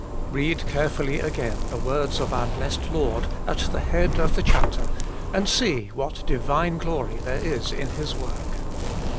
Read carefully again the words of our Blessed Lord at the head of the chapter, and see what Divine glory there is in His work.